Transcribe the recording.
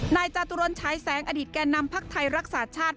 นายจาตุรนชายแสงอดีตแก่นำพักไทยรักษาชาติ